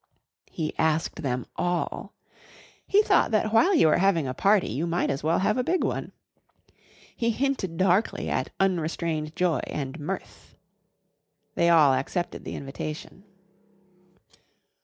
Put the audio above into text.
'" He asked them all. He thought that while you are having a party you might as well have a big one. He hinted darkly at unrestrained joy and mirth. They all accepted the invitation.